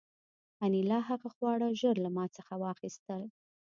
انیلا هغه خواړه ژر له ما څخه واخیستل